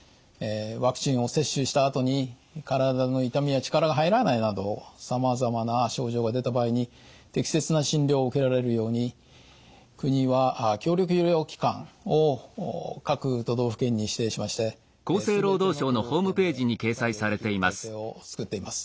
ワクチンを接種したあとに体の痛みや力が入らないなどさまざまな症状が出た場合に適切な診療を受けられるように国は協力医療機関を各都道府県に指定しまして全ての都道府県で対応できる体制を作っています。